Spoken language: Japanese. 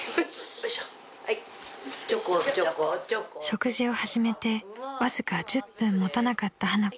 ［食事を始めてわずか１０分もたなかった花子］